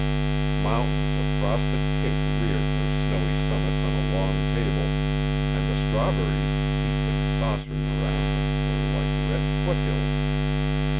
Mountains of frosted cake reared their snowy summits on a long table, and the strawberries, heaped in saucers around them, were like red foothills.